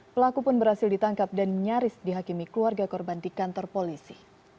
pelaku pun berhasil ditangkap dan nyaris dihakimi keluarga korban di kantor polisi